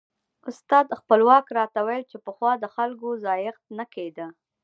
استاد خپلواک راته ویل چې پخوا د خلکو ځایښت نه کېده.